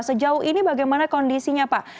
sejauh ini bagaimana kondisinya pak